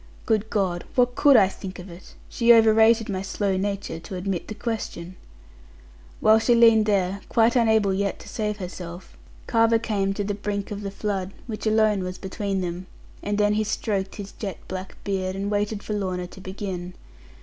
Good God! What could I think of it? She over rated my slow nature, to admit the question. While she leaned there, quite unable yet to save herself, Carver came to the brink of the flood, which alone was between them; and then he stroked his jet black beard, and waited for Lorna to begin.